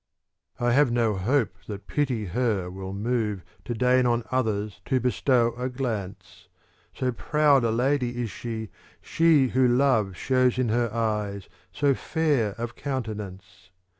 ^ I have no hope that pity her will move To deign on others to bestow a glance; So proud a lady is she, she who Love Shows in her eyes, so fair of countenance.